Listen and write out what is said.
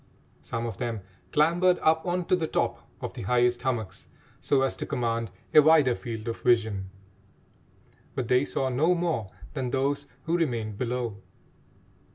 Some of them clambered up on to the top of the highest hummocks so as to command a wider field of vision, but they saw no more than those who remained below.